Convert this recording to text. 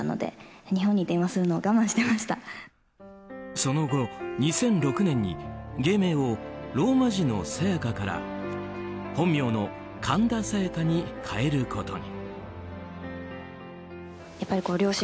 その後、２００６年に芸名をローマ字のＳＡＹＡＫＡから本名の神田沙也加に変えることに。